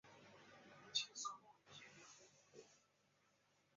与吉田茂亲近。